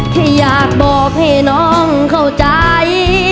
แค่อยากบอกให้น้องเข้าใจ